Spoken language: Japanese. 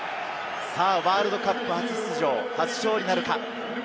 さぁワールドカップ初出場、初勝利なるか？